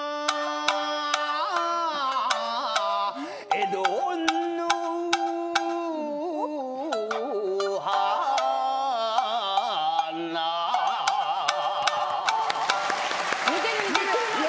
「江戸の花」似てる似てる！